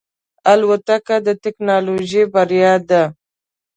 الوتکه د ټکنالوژۍ بریا ده.